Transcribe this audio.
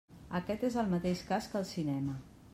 Aquest és el mateix cas que el cinema.